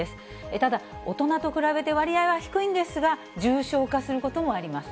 ただ、大人と比べて割合は低いんですが、重症化することもあります。